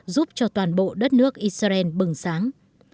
giúp cho toàn bộ đất nước israel bừng sáng